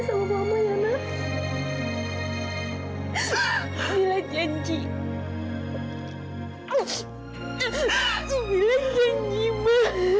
semua orang tua akan melakukan hal yang sama